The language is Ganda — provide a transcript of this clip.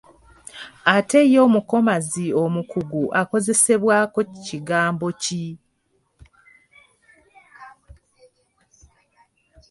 Ate ye omukomazi omukugu akozesebwako kigambo ki?